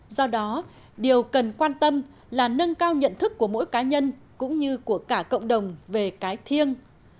do đó điều cần quan tâm là nâng cao nhận thức của mỗi cá nhân cũng như của cả cộng đồng về cái thiêng